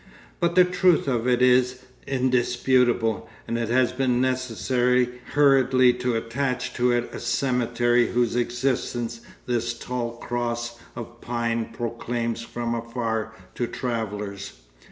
But the truth of it is indisputable, and it has been necessary hurriedly to attach to it a cemetery whose existence this tall cross of pine proclaims from afar to travellers.